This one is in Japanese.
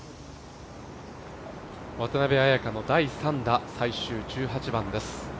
渡邉彩香の第３打、最終１８番です。